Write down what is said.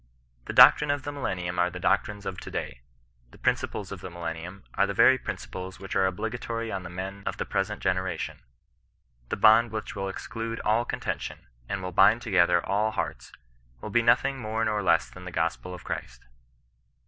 The doctrines of the millennium are the doctrines of to day ; the principles of the millen nium are the very principles which are obligatory on the men of the present generation ; the bond which will ex clude all contention, and will bind together all hearts, will be nothing more nor less than the gospel of Christ.